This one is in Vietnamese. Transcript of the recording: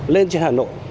lên trên hà nội